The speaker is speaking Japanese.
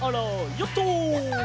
ヨット！